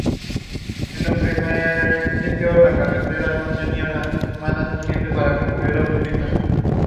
She appeared in nearly thirty films.